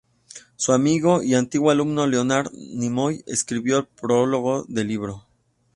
Su amigo y antiguo alumno Leonard Nimoy, escribió el prólogo del libro.